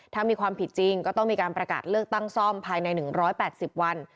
ถ้ามีความผิดจริงก็ต้องมีการประกาศเลือกตั้งซ่อมภายใน๑๘๐วัน